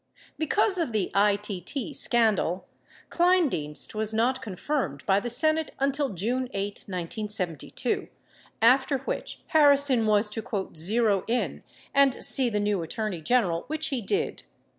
27 Because of the ITT scandal, Kleindienst was not confirmed by the Senate until June 8, 1972, after which Harrison was to "zero in" and see the new Attorney General, which he did.